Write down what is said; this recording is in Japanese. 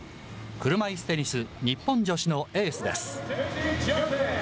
車いすテニス日本女子のエースです。